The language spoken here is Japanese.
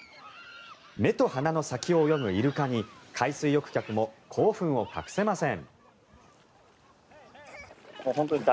目と鼻の先を泳ぐイルカに海水浴客も興奮を隠せません。